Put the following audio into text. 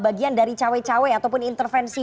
bagian dari cawai cawai ataupun intervensi